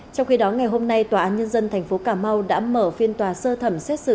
trong khi đó ngày hôm nay tòa án nhân dân tp cà mau đã mở phiên tòa sơ thẩm xét xử